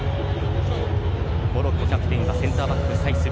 モロッコキャプテンはセンターバックのサイス。